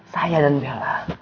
saya dan bella